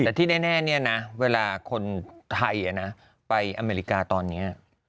แต่ที่แน่เนี่ยนะเวลาคนไทยไปอเมริกาตอนนี้